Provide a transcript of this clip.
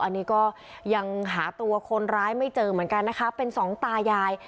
อันนี้ก็ยังหาตัวคนร้ายไม่เจอเหมือนกันนะคะเป็นสองตายาย